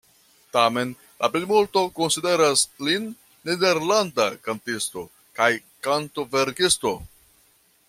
Tamen la plimulto konsideras lin nederlanda kantisto kaj kantoverkisto.